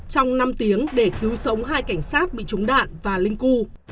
trong năm tiếng để cứu sống hai cảnh sát bị trúng đạn và linh cu